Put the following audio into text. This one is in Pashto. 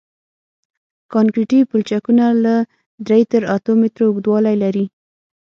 کانکریټي پلچکونه له درې تر اتو مترو اوږدوالی لري